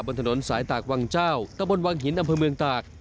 บนถนนสายตากวังเจ้าตะบนวังหินอำเภอเมืองตาก